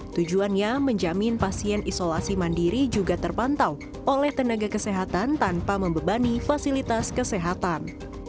tujuannya menjamin pasien isolasi mandiri juga terpantau oleh tenaga kesehatan tanpa membebani fasilitas kesehatan